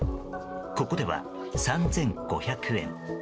ここでは３５００円。